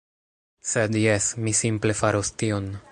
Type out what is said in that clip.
Sed... jes, mi simple faros tion.